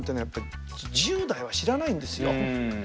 やっぱり１０代は知らないんですよ。